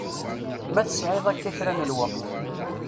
Ma tesɛiḍ akka kra n lweqt.